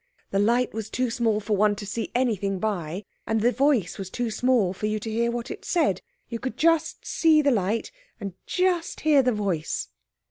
The light was too small for one to see anything by, and the voice was too small for you to hear what it said. You could just see the light and just hear the voice.